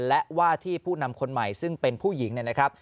และว่าที่ผู้นำคนใหม่ซึ่งเป็นผู้หญิงเนี่ยนะครับ